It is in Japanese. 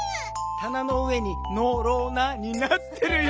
「たなの上にのろな」になってるよ。